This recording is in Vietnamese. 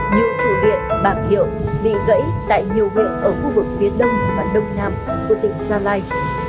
nhiều chủ điện bảng hiệu bị gãy tại nhiều huyện ở khu vực phía đông và đông nam của tỉnh gia lai